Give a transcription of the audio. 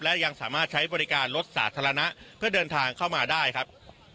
และยังสามารถใช้บริการรถสาธารณะเพื่อเดินทางเข้ามาได้ครับ